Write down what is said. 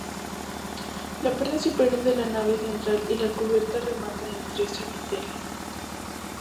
La parte superior de la nave central y la cubierta remata en tres chapiteles.